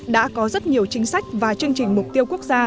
đã có rất nhiều chính sách và chương trình mục tiêu quốc gia gắn với